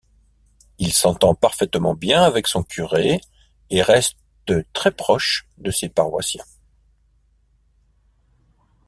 Il s'entend parfaitement bien avec son curé et reste très proche de ses paroissiens.